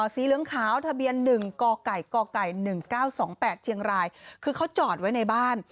สีเหลืองขาวทะเบียน๑กไก่กไก่๑๙๒๘เชียงรายคือเขาจอดไว้ในบ้าน